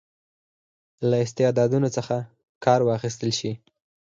له استعدادونو څخه کار واخیستل شي.